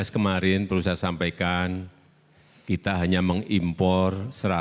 dua ribu delapan belas kemarin perlu saya sampaikan kita hanya mengimpor satu ratus delapan puluh